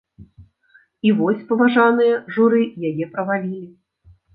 І вось паважаныя журы яе правалілі.